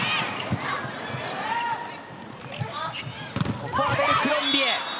ここはアベルクロンビエ。